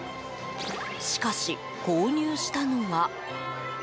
しかし購入したのは。